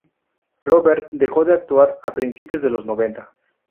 Robert dejó de actuar a principios de los noventa.